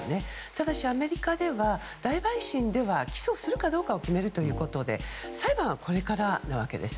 ただしアメリカでは大陪審では起訴するかどうかを決めるということで裁判はこれからなわけです。